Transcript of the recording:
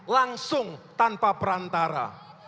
langsung tanpa perantara